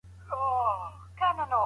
که ماضي هېره کړو راتلونکی نه سو جوړولای.